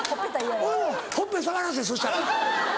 俺にもほっぺ触らせそしたら。